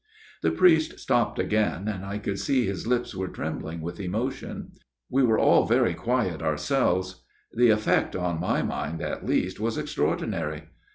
The priest stopped again ; and I could see his lips were trembling with emotion. We were all very quiet ourselves ; the effect on my mind at least was extraordinary.